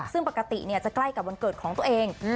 ซึ่งปกติจะใกล้กับวันเกิดของตัวเอง